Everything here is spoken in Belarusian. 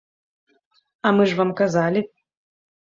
А мы ж вам казалі.